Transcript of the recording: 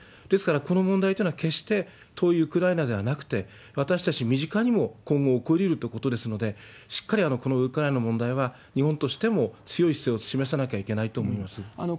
ですからこの問題というのは、決して遠いウクライナではなくて、私たち身近にも今後起こりうるということですので、しっかりこのウクライナの問題は、日本としても強い姿勢を示さなきゃいけないと思います。